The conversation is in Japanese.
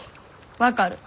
分かる。